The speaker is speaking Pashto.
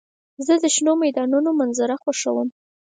زه د شنو میدانونو منظر خوښوم.